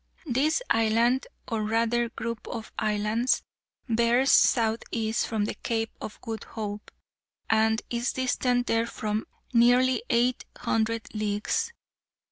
This island, or rather group of islands, bears southeast from the Cape of Good Hope, and is distant therefrom nearly eight hundred leagues.